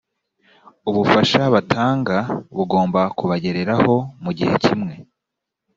ubufasha batanga bugomba kubagereraho mu gihe kimwe